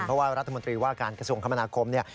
เพราะว่ารัฐมนตรีว่าการกระทรวงคมนาคมเนี่ย